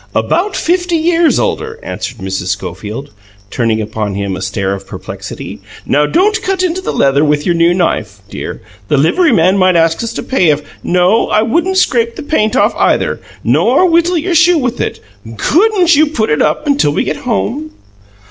"About fifty years older," answered Mrs. Schofield, turning upon him a stare of perplexity. "Don't cut into the leather with your new knife, dear; the livery man might ask us to pay if No. I wouldn't scrape the paint off, either nor whittle your shoe with it. COULDN'T you put it up until we get home?"